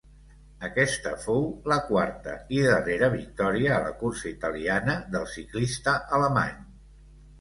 Aquesta fou la quarta i darrera victòria a la cursa italiana del ciclista alemany.